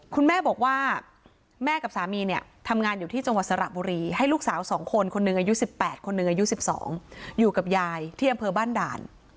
คุณแม่บอกว่าแม่กับสามีเนี่ยทำงานอยู่ที่จังหวัดสระบุรีให้ลูกสาว๒คนคนหนึ่งอายุ๑๘คนหนึ่งอายุ๑๒อยู่กับยายที่อำเภอบ้านด่าน